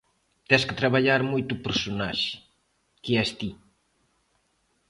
Tes que traballar moito o personaxe, que es ti.